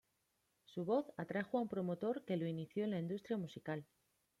Su voz atrajo a un promotor que lo inició en la industria musical.